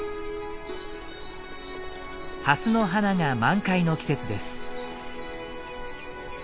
ハスの花が満開の季節です。